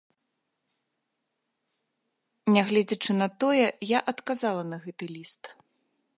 Нягледзячы на тое, я адказала на гэты ліст.